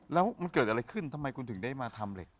แล้วมันเกิดอะไรขึ้นทำไมคุณถึงได้มาทำเหล็ก